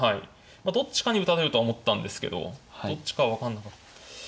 どっちかに打たれるとは思ったんですけどどっちかは分かんなかった。